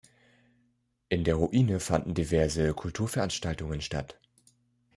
In der Ruine fanden diverse Kulturveranstaltungen statt.